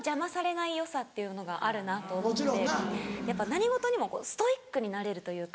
何事にもストイックになれるというか。